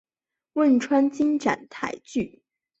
汶川金盏苣苔为苦苣苔科金盏苣苔属下的一个变种。